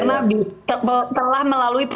karena telah melalui